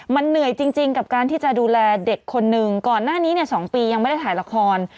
มันเหนื่อยจริงกับการที่จะดูแลเด็กคนหนึ่งก่อนหน้านี้เนี่ย๒ปียังไม่ได้ถ่ายละคร